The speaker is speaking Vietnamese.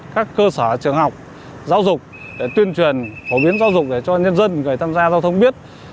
các cơ sở trường học giáo dục để tuyên truyền phổ biến giáo dục cho nhân dân người tham gia giao thông biết